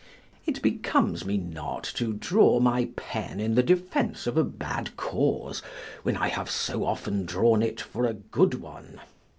It becomes me not to draw my pen in the defense of a bad cause, when I have so often drawn it for a good one.